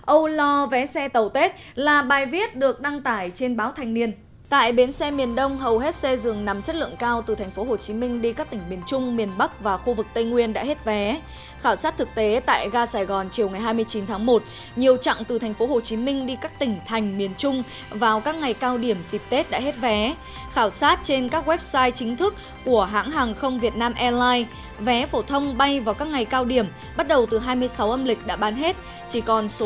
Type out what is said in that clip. âu lo vé xe tàu tết là bài viết được đăng tải trên báo thành niên